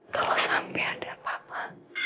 kalau sampai ada papa